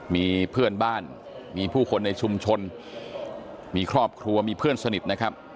มีเพื่อนบ้านมีผู้คนในชุมชนมีครอบครัวมีเพื่อนสนิทนะครับ